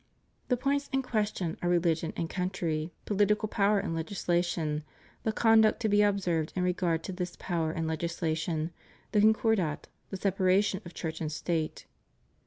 The points in question are: Religion and country, political power and legislation, the conduct to be observed in regard to this power and legis lation, the Concordat, the separation of Church and State.